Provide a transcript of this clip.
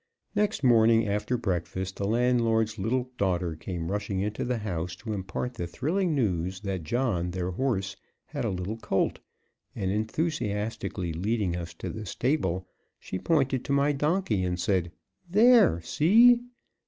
Next morning after breakfast the landlord's little daughter came rushing into the house to impart the thrilling news that John, their horse, had a little colt; and, enthusiastically leading us to the stable, she pointed to my donkey and said, "There! see?"